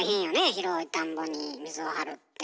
広い田んぼに水を張るって。